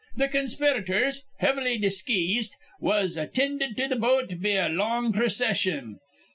Th' conspirators, heavily disgeesed, was attinded to th' boat be a long procission.